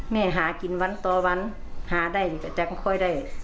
แม่หากินวันต่อวันหาได้ก็จักรคอยได้